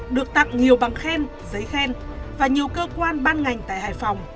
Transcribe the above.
được tặng nhiều bằng khen giấy khen và nhiều cơ quan ban ngành tại hải phòng